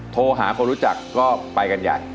โทรหาคนรู้จักก็ไปกันใหญ่